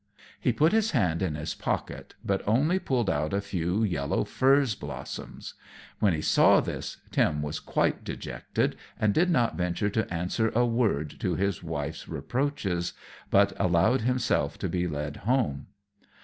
He put his hand in his pocket, but only pulled out a few yellow furze blossoms. When he saw this Tim was quite dejected, and did not venture to answer a word to his wife's reproaches, but allowed himself to be led home.